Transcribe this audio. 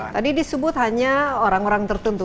tadi disebut hanya orang orang tertentu